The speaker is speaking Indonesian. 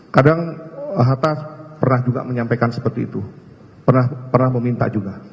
kadang hatta pernah juga menyampaikan seperti itu pernah meminta juga